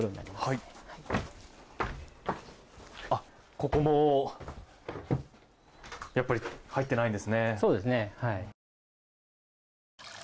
ここもやっぱり入ってないんですね。